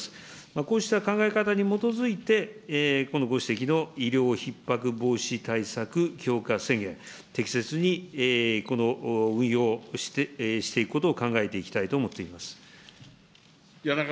こうした考え方に基づいて、このご指摘の医療ひっ迫防止対策強化宣言、適切にこの運用をしていくことを考えていきたいと思っています。